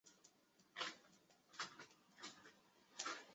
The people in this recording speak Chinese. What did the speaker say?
独立电视台的全国性新闻节目是由独立电视新闻制作。